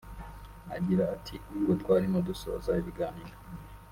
Agira ati "Ubwo twarimo dusoza ibiganiro